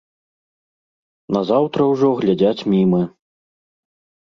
Назаўтра ўжо глядзяць міма.